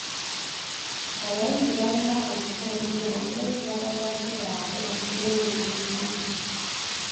Abayizi balina okukola ennyo okuleetera bazadde baabwe okubeenyumirizaamu.